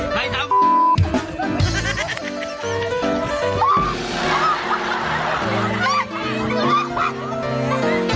ใครทำบ้าจริง